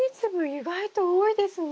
意外と多いですね。